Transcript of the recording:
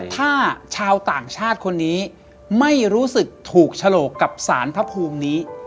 ถ้าชาวต่างชาติคนนี้ไม่รู้สึกถูกฉลกกับสารพระภูมินี้